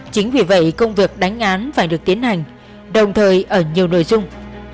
chính vì vậy công việc đánh án phải được tiến hành đồng thời ở nhiều nội dung